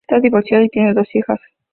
Está divorciada y tiene dos hijas.